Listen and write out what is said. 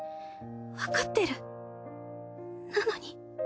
わかってるなのに。